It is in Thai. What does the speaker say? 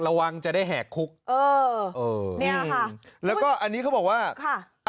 ระวังจะได้แหกคุกเออเออเนี่ยค่ะแล้วก็อันนี้เขาบอกว่าค่ะ